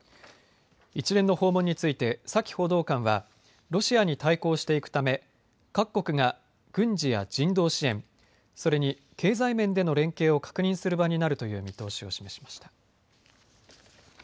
一連の訪問についてサキ報道官はロシアに対抗していくため各国が軍事や人道支援、それに経済面での連携を確認する場になるという見通しを示しました。